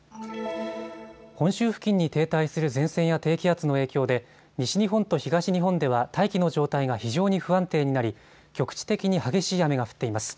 本州付近に停滞する前線や低気圧の影響で西日本と東日本では大気の状態が非常に不安定になり局地的に激しい雨が降っています。